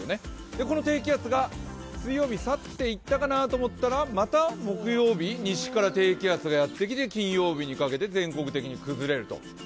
この低気圧が水曜日、去っていったかなと思ったらまた木曜日、西から低気圧がやってきて金曜日にかけて全国的に崩れると。